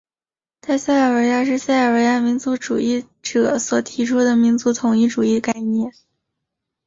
大塞尔维亚是塞尔维亚民族主义者所提出的民族统一主义概念。